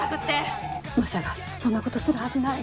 マサがそんなことするはずない。